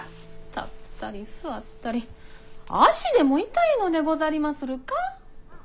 立ったり座ったり足でも痛いのでござりまするか？